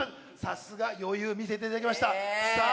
さすが余裕見せていただきましたええーさあ